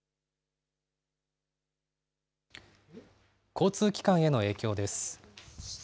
交通機関への影響です。